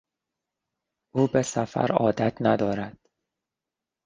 او به سفر عادت ندارد.